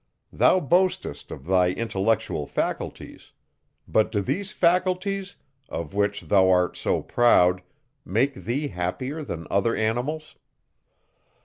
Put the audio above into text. Thou boastest of thy intellectual faculties; but do these faculties, of which thou art so proud, make thee happier than other animals?